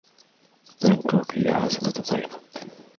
بانكوك هي عاصمة تايلاند.